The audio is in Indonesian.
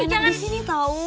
dari sini tahu